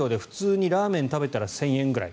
今、外食産業で普通にラーメンを食べたら１０００円ぐらい。